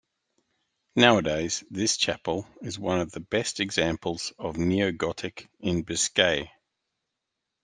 Nowadays this chapel, is one of the best examples of neogotic in Biscay.